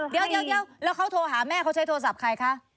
เดี๋ยวแล้วเขาโทรหาแม่เขาใช้โทรศัพท์ใครคะ